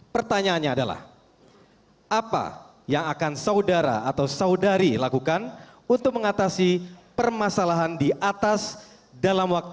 pertanyaannya adalah apa yang akan saudara atau saudari lakukan untuk mengatasi permasalahan di atas dalam waktu